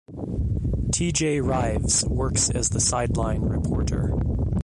T. J. Rives works as the sideline reporter.